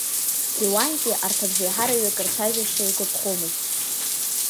Леуанти арҭ абжеиҳараҩык рцәажәашьа игәаԥхомызт.